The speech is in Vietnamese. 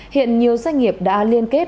hiện nhiều doanh nghiệp đã liên kết